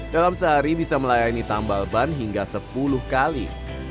dalam sehari bisa melayani tambal ban hingga sepuluh kali